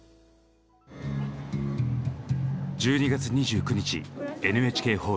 １２月２９日ＮＨＫホール。